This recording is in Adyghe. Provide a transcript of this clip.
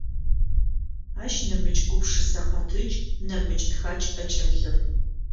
Ащ нэмыкӏ гупшысэ къэтыкӏ, нэмыкӏ тхакӏ ӏэкӏэлъыр.